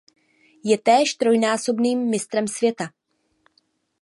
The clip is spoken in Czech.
Je též trojnásobným mistrem světa.